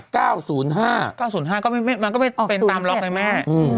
๙๐๕ก็ไม่เป็นตามล็อกเลยแม่